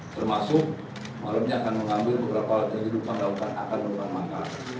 termasuk malam ini akan mengambil beberapa laki laki lukan lukan akan lukan makar